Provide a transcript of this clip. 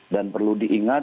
dan perlu diinginkan